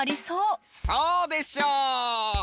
そうでしょう！